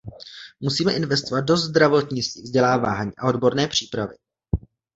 Musíme investovat do zdravotnictví, vzdělávání a odborné přípravy.